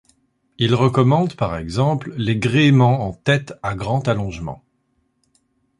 Il recommande par exemple les gréements en tête à grand allongement.